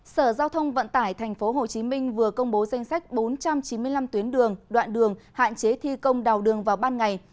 sở giao thông vận tải tp hcm vừa công bố danh sách bốn trăm chín mươi năm tuyến đường đoạn đường hạn chế thi công đào đường vào ban ngày